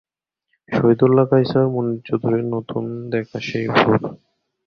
শহীদুল্লাহ কায়সার, মুনীর চৌধুরীর নতুন দেখা সেই ভোর।